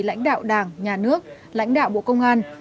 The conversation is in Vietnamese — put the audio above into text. lãnh đạo đảng nhà nước lãnh đạo bộ công an